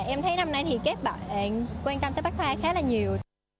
em thấy năm nay thì các bạn quan tâm tới bách khoa khá là nhiều